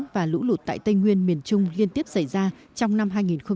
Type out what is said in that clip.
và lũ lụt tại tây nguyên miền trung liên tiếp xảy ra trong năm hai nghìn hai mươi